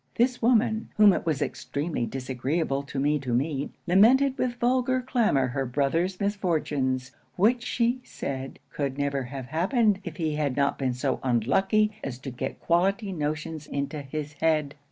This woman, whom it was extremely disagreeable to me to meet, lamented with vulgar clamour her brother's misfortunes; which she said could never have happened if he had not been so unlucky as to get quality notions into his head.